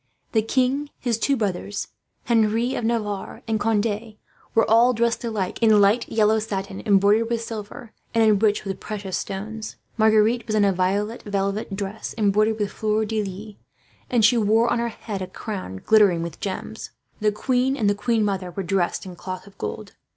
The king, his two brothers, Henri of Navarre, and Conde were all dressed alike in light yellow satin, embroidered with silver, and enriched with precious stones. Marguerite was in a violet velvet dress, embroidered with fleurs de lis, and she wore on her head a crown glittering with gems. The queen and the queen mother were dressed in cloth of gold.